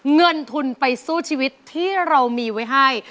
เงินทุนไปสู้ชีวิตที่เรามีไว้ให้